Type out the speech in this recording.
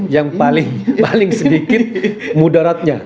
yang paling sedikit mudaratnya